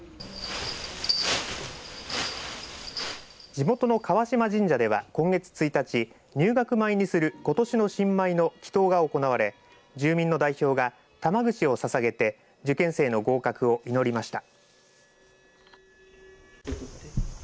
地元の川島神社では今月１日入学米にすることしの新米の祈とうが行われ住民の代表が玉串をささげて受験生の合格を祈りました。